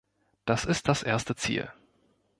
Das ist das erste Ziel.